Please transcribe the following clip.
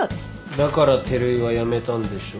だから照井はやめたんでしょうね。